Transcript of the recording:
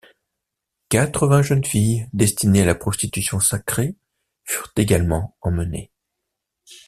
Quatre-vingts jeunes filles destinées à la prostitution sacrée furent également emmenées.